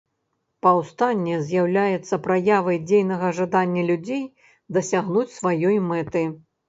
Паўстанне з'яўляецца праявай дзейнага жадання людзей дасягнуць сваёй мэты.